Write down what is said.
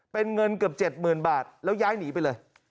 เป็นเงินเกือบ๗๐๐๐บาทแล้วย้ายหนีไปเลย